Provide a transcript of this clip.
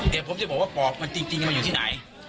แต่ผมจะบอกว่าปอกมันจริงมันอยู่ที่ไหน